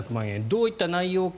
どういった内容か。